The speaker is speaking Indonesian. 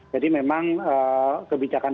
jadi memang kebijakan